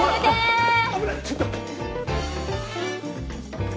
ちょっと！